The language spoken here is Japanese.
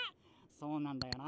そうなんだよな。